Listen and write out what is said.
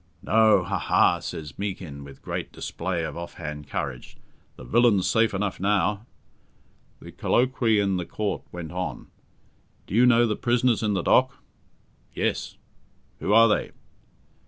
"No, ha! ha!" says Meekin, with great display of off hand courage, "the villain's safe enough now." The colloquy in the Court went on. "Do you know the prisoners in the dock?" "Yes." "Who are they?"